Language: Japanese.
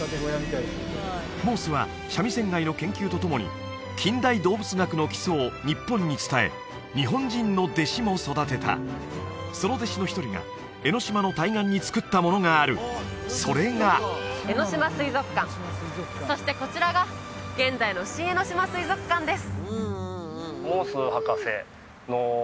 モースはシャミセンガイの研究とともに近代動物学の基礎を日本に伝え日本人の弟子も育てたその弟子の一人が江の島の対岸に造ったものがあるそれが江ノ島水族館そしてこちらが現在の「新江ノ島水族館」です